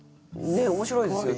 面白いですよね。